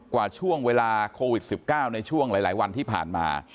กว่าช่วงเวลาโควิด๑๙ในช่วงหลายวันที่ผ่านมา